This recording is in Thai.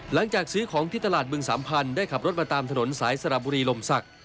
หลังจากซื้อของที่ตลาดบึงสามพันธุ์ได้ขับรถมาตามถนนสายสระบุรีลมศักดิ์